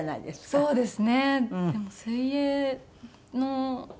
そうですね。